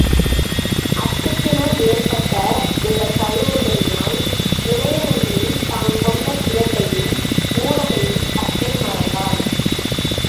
அச்சத்தினால் ஏற்பட்ட இந்தத் தழுவுதலினால் உதயணன்மேல் தான் கொண்ட சினத்தையும் ஊடலையும் தத்தை மறந்துவிட்டாள்.